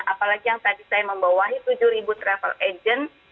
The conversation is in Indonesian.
apalagi yang tadi saya membawahi tujuh travel agent